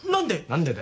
何で？